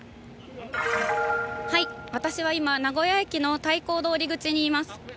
私は今、名古屋駅のたいこう通り口にいます。